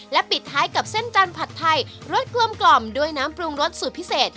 และปิดท้ายกับเส้นจาญผัดไทรรสกลมกล่อมด้วยน้ำปรูงรสสุดพิเศษ